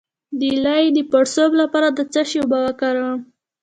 د لۍ د پړسوب لپاره د څه شي اوبه وکاروم؟